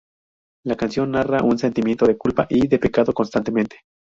La canción narra un sentimiento de culpa y de pecado constantemente.